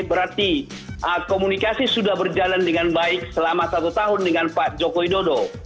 berarti komunikasi sudah berjalan dengan baik selama satu tahun dengan pak joko widodo